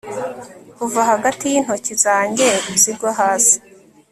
kuva hagati y'intoki zanjye zigwa hasi